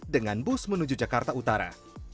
dengan bus menuju jakarta utara